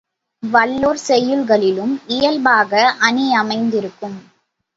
வல்லோர் செய்யுள்களிலும் இயல்பாக அணி அமைந்திருக்கும்